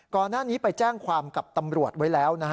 ก่อนหน้านี้ไปแจ้งความกับตำรวจไว้แล้วนะฮะ